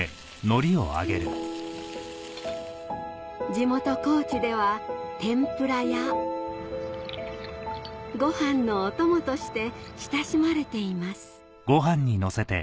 地元高知では天ぷらやご飯のお供として親しまれています